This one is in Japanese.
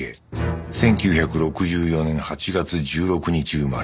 １９６４年８月１６日生まれ